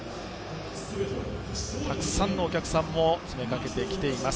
たくさんのお客さんも詰め掛けてきています。